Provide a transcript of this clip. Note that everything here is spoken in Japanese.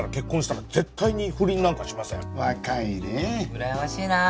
うらやましいなあ。